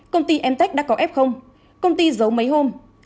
công ty mtech đã có f công ty giấu mấy hôm